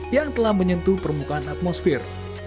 yang telah menyentuh permukaan atmosfer